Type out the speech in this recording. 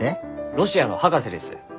ロシアの博士です。